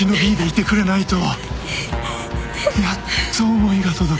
やっと思いが届く。